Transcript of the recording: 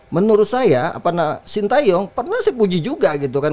menurut saya sintayong pernah saya puji juga gitu kan